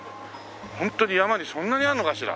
ホントに山にそんなにあるのかしら。